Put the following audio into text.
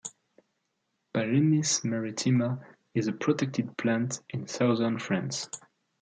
"Pallenis maritima" is a protected plant in southern France.